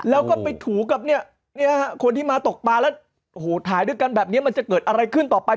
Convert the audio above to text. แล้วก็ไปถูกับเนี่ยคนที่มาตกปลาแล้วโอ้โหถ่ายด้วยกันแบบนี้มันจะเกิดอะไรขึ้นต่อไป